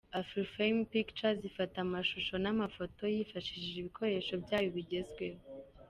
Afrifame Pictures ifata amashusho n'amafoto yifashishije ibikoresho byayo bigezweho.